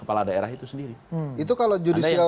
kepala daerah itu sendiri itu kalau judicial